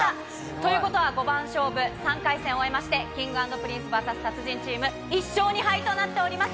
ということは、５番勝負、３回戦を終えまして、Ｋｉｎｇ＆ＰｒｉｎｃｅＶＳ達人チーム１勝２敗となっております。